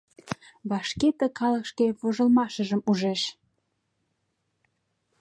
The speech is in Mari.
Вашке ты калык шке вожылмашыжым ужеш!